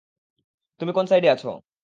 তুমি কোন সাইডে আছ?